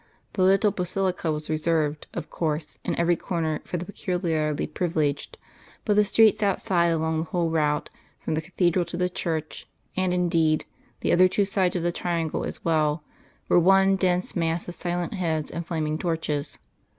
The little basilica was reserved, of course, in every corner for the peculiarly privileged; but the streets outside along the whole route from the Cathedral to the church and, indeed, the other two sides of the triangle as well, were one dense mass of silent heads and flaming torches.